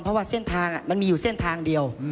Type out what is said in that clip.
เพราะว่าเส้นทางมันมีอยู่เส้นทางเดียว